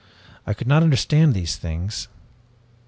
I could not understand these things.